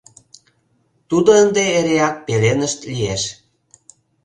Тудо ынде эреак пеленышт лиеш.